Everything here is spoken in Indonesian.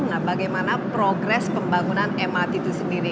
nah bagaimana progres pembangunan mrt itu sendiri